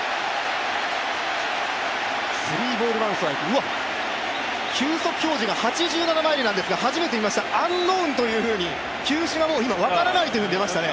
うわっ、球速表示が８７マイルなんですが、始めて見ました、アンノウンというふうに、球種がもう分からないと出ましたね。